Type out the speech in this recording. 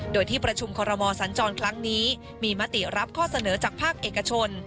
โดยที่ประชุมคอรมอสัญจรครั้งนี้มีมติรับข้อเสนอจากภาคเอกชน